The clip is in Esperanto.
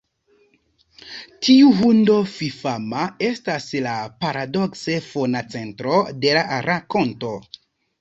Tiu hundo fifama estas la paradokse fona centro de la rakonto.